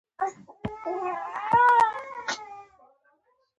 لاس مې تور سپۍ څټلی دی؟